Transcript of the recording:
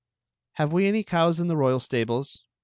"Have we any cows in the royal stables?"